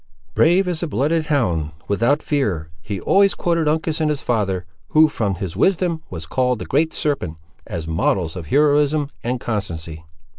"Brave as a blooded hound! Without fear! He always quoted Uncas and his father, who from his wisdom was called the Great Serpent, as models of heroism and constancy."